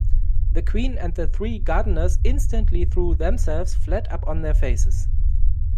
The Queen!’ and the three gardeners instantly threw themselves flat upon their faces.